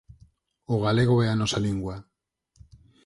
O galego é a nosa lingua.